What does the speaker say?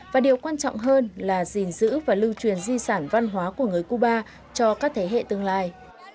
và điều quan trọng hơn là gìn giữ và lưu truyền di sản văn hóa của người cuba cho các thế hệ tương lai